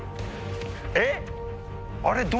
えっ！？